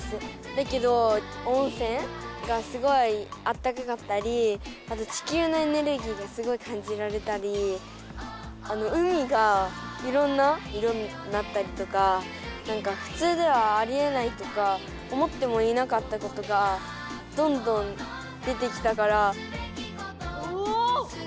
だけど温泉がすごいあったかかったりあと地球のエネルギーがすごい感じられたりあの海がいろんな色になったりとかなんかふつうではありえないとか思ってもいなかったことがどんどん出てきたから。